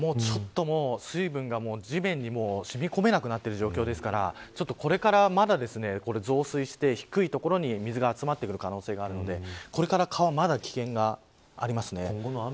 水分が地面に染み込めなくなっている状況ですからこれからまだ増水して低い所に水が集まる可能性があるので川はこれからまだ危険な可能性があります。